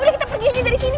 udah kita pergi aja dari sini